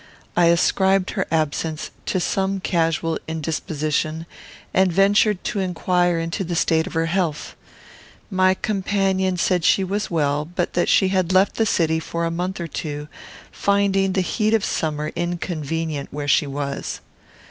I ascribed her absence to some casual indisposition, and ventured to inquire into the state of her health. My companion said she was well, but that she had left the city for a month or two, finding the heat of summer inconvenient where she was.